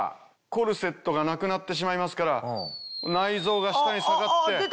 コルセットがなくなってしまいますから内臓が下に下がって。